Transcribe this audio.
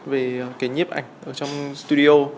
về cái nhiếp ảnh trong studio